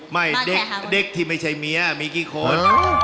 ไม่เด็กที่ไม่ใช่เมียมีกี่คน